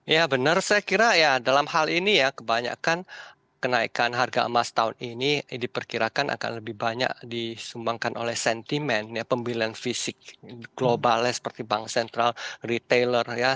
ya benar saya kira ya dalam hal ini ya kebanyakan kenaikan harga emas tahun ini diperkirakan akan lebih banyak disumbangkan oleh sentimen pembelian fisik global ya seperti bank sentral retailer ya